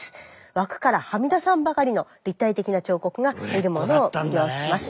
枠からはみ出さんばかりの立体的な彫刻が見る者を魅了します。